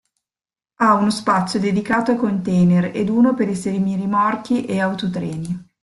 Ha uno spazio dedicato ai container ed uno per i semirimorchi e autotreni.